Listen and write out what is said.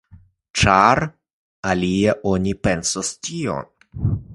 Ĉar alie oni pensos tion.